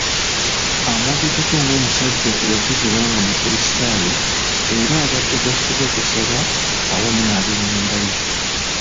Amwogeddeko ng’omusajja eyakuzibwa nga mukulisitaayo era abadde tasubwa kusaba awamu n’abennyumba ye.